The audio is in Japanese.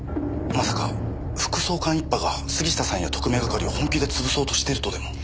まさか副総監一派が杉下さんや特命係を本気で潰そうとしてるとでも？